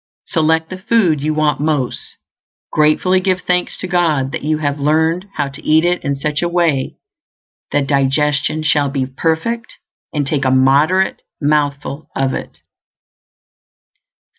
Select the food you want most; gratefully give thanks to God that you have learned how to eat it in such a way that digestion shall be perfect; and take a moderate mouthful of it.